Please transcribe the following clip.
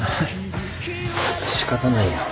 仕方ないよ。